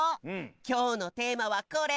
きょうのテーマはこれ。